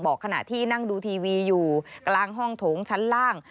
ขณะที่นั่งดูทีวีอยู่กลางห้องโถงชั้นล่าง